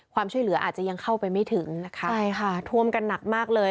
ความช่วยเหลืออาจจะยังเข้าไปไม่ถึงนะคะใช่ค่ะท่วมกันหนักมากเลย